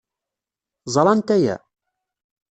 Ẓrant aya?